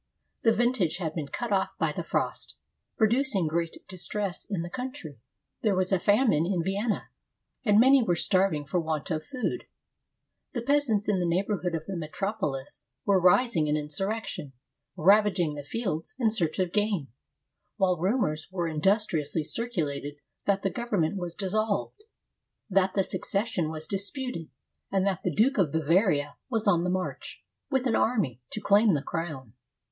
The vintage had been cut off by the frost, producing great distress in the country. There was a famine in Vienna, and many were starving for want of food. The peasants, in the neighborhood of the metropolis, were rising in insurrection, ravaging the fields in search of game ; while rumors were in dustriously circulated that the Government was dissolved, that the succession was disputed, and that the Duke of Ba varia was on the march, with an army, to claim the crown.